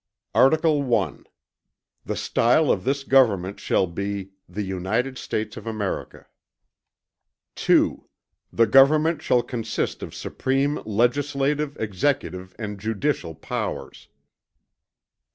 Article I The stile of this Government shall be, "The United States of America." II The Government shall consist of supreme legislative, executive and judicial powers.